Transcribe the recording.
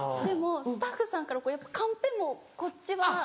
でもスタッフさんからやっぱカンペもこっちは。